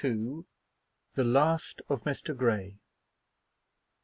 THE LAST OF MR. GREY.